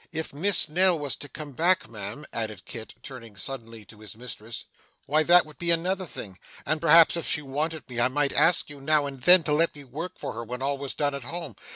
If Miss Nell was to come back, ma'am,' added Kit, turning suddenly to his mistress, 'why that would be another thing, and perhaps if she wanted me, I might ask you now and then to let me work for her when all was done at home.